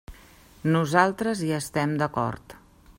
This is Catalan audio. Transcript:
Nosaltres hi estem d'acord.